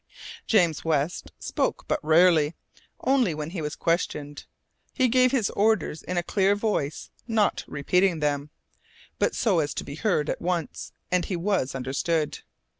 James West spoke but rarely only when he was questioned. He gave his orders in a clear voice, not repeating them, but so as to be heard at once, and he was understood.